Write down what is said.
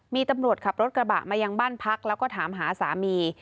มีตำรวจขับรถกระบะมายังบ้านพักแล้วก็ถามหาสามี